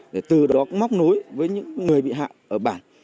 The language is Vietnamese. để từ đó cũng móc nối với những người bị hạ ở bản